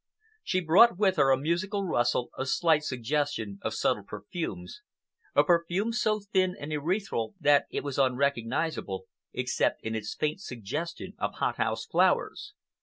She brought with her a musical rustle, a slight suggestion of subtle perfumes—a perfume so thin and ethereal that it was unrecognizable except in its faint suggestion of hothouse flowers.